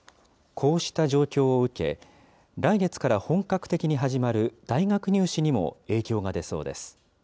こうした状況を受け、来月から本格的に始まる大学入試にも影響が出そうです。